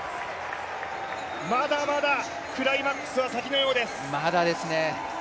まだまだクライマックスは先のようです。